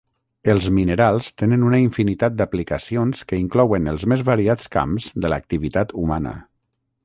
Els minerals tenen una infinitat d'aplicacions que inclouen els més variats camps de l'activitat humana.